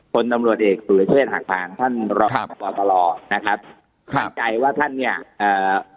คนตำรวจเอกสุรเทศหักพางท่านครับนะครับครับใจว่าท่านเนี่ยเอ่อ